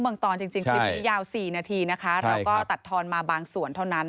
แล้วก็ตัดทอนมาบางส่วนเท่านั้น